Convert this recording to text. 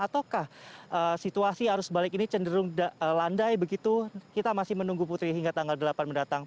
ataukah situasi arus balik ini cenderung landai begitu kita masih menunggu putri hingga tanggal delapan mendatang